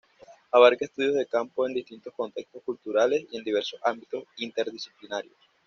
Abarca estudios de campo en distintos contextos culturales y en diversos ámbitos interdisciplinarios.